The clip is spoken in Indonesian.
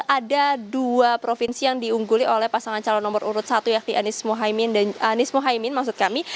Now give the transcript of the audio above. ada dua provinsi yang diungguli oleh pasangan calon nomor urut satu yakni anies mohaimin maksud kami